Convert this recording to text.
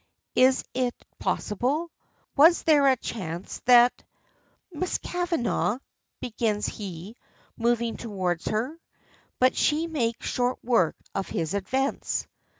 Is it possible? Was there a chance that "Miss Kavanagh," begins he, moving toward her. But she makes short work of his advance.